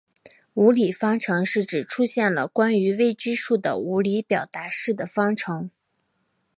无理方程是指出现了关于未知数的无理表达式的方程。